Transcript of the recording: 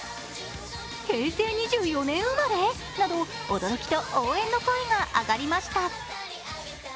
平成２４年生まれ？！など驚きと応援の声が上がりました。